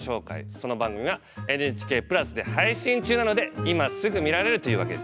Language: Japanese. その番組は「ＮＨＫプラス」で配信中なので今すぐ見られるというわけですね。